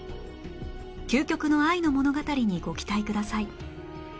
究極の愛の物語にご期待ください